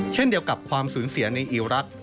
เช่นเดียวกับความสูญเสียในอิรักษ